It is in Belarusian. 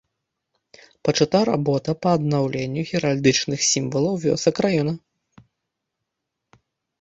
Пачата работа па аднаўленню геральдычных сімвалаў вёсак раёна.